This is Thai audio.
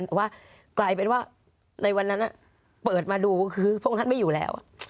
แต่ว่ากลายเป็นว่าในวันนั้นเปิดมาดูคือพระองค์ท่านไม่อยู่แล้ว